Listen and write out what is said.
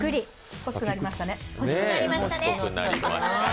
欲しくなりましたね。